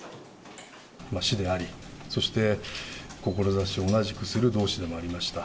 師であり、そして志を同じくする同志でもありました。